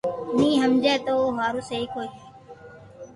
ني ھمجي تو تو ھارون سھي ڪوئي ھي